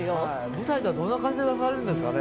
舞台ではどんな感じになるんですかね。